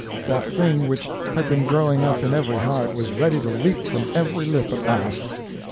That thing which had been growing up in every heart was ready to leap from every lip at last!